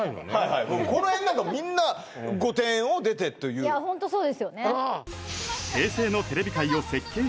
この辺なんかみんな「御殿」を出てといういやホントそうですよね